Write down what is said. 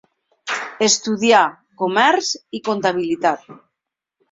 Estudià comerç i comptabilitat.